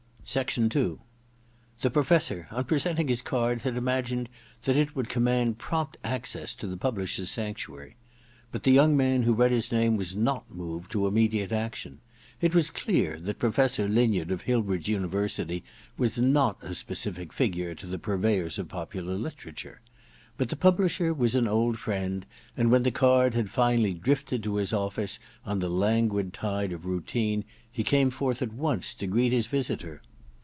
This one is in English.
II The Professor, on presenting his card, had imagined that it would command prompt access to the publisher's sanctuary ; but the young man who read his name was not moved to immediate action. It was clear that Professor Linyard of Hillbridge University was not a specific figure to the purveyors of popular literature. But the publisher was an old friend ; and when the card had finally drifted to his office on the languid tide of routine he came forth at once to greet his visitor.